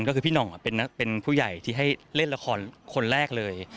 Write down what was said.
ก็คือพี่หน่องเป็นผู้ใหญ่ที่ให้เล่นละครคนแรกเลย